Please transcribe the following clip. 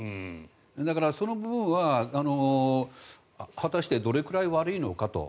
だから、その部分は果たしてどれくらい悪いのかと。